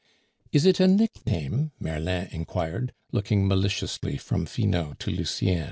"Is it a nickname?" Merlin inquired, looking maliciously from Finot to Lucien.